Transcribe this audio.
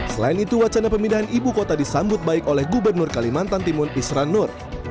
selain itu wacana pemindahan ibu kota disambut baik oleh gubernur kalimantan timur isran nur